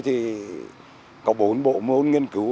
thì có bốn bộ môn nghiên cứu